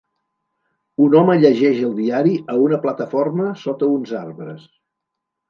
Un home llegeix el diari a una plataforma sota uns arbres